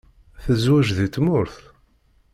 Tezweǧ deg tmurt?